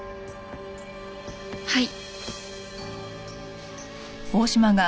はい。